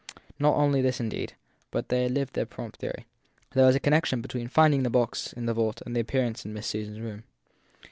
Not only this indeed, but they had their prompt theory. There was a connection between the rinding of the box in the vault and the appearance in Miss Susan s room.